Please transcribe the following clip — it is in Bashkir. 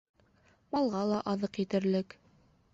Малға ла аҙыҡ етерлек.